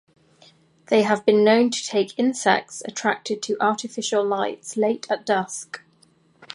They have been known to take insects attracted to artificial lights late at dusk.